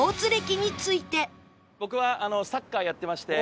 僕はサッカーやってまして。